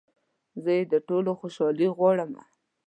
زه يې د ټولو خوشحالي غواړمه